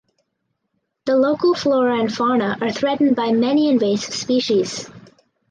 The local flora and fauna are threatened by many invasive species.